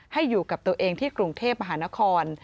ให้กับตัวเองที่กรุงเทพมหานคร